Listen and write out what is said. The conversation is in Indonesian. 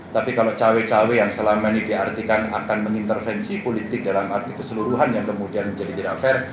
tapi kalau cawe cawe yang selama ini diartikan akan mengintervensi politik dalam arti keseluruhan yang kemudian menjadi tidak fair